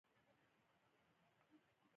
نافرماني د دې مبارزې برخه ده.